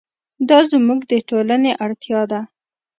دا زموږ د ټولنې اړتیا ده.